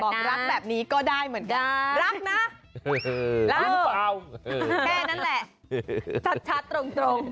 บอกรักแบบนี้ก็ได้เหมือนกันรักนะแล้วแค่นั้นแหละชัดตรง